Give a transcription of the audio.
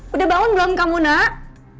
udah bangun belum kamu nak